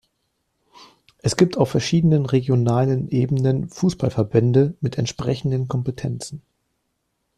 Es gibt auf verschiedenen regionalen Ebenen Fußballverbände mit entsprechenden Kompetenzen.